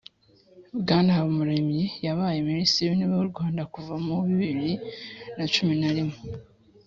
.Bwana Habumuremyi yabaye Minisitiri w'intebe w'u Rwanda kuva mu bibiri na cumi na rimwe